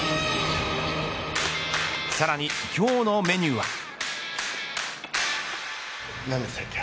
さらに今日のメニューは。